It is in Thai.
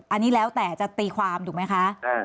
อันนี้แล้วแต่จะตีความถูกไหมคะ